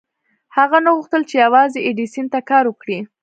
هغه نه غوښتل چې يوازې ايډېسن ته کار وکړي.